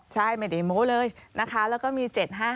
ใช่ไม่ได้โม้เลยนะคะแล้วก็มี๗๕